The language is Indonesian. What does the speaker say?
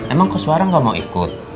emang kos warang tidak mau ikut